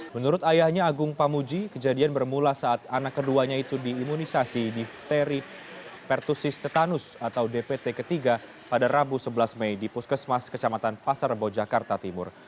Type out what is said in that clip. menurut ayahnya agung pamuji kejadian bermula saat anak keduanya itu diimunisasi difteri pertusis tetanus atau dpt ketiga pada rabu sebelas mei di puskesmas kecamatan pasar rebo jakarta timur